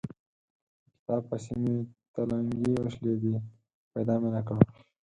په کتاب پسې مې تلنګې وشلېدې؛ پيدا مې نه کړ.